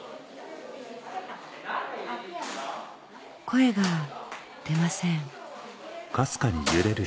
声が出ません